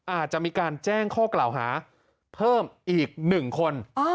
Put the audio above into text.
อาจจะมีการแจ้งข้อกล่าวหาเพิ่มอีก๑คน